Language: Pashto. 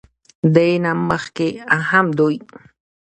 دې نه مخکښې هم دوي